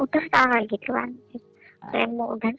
kayak gitu yaudah